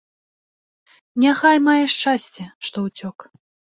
Няхай мае шчасце, што ўцёк.